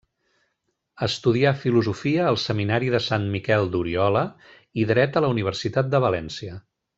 Estudià filosofia al Seminari de Sant Miquel d'Oriola i dret a la Universitat de València.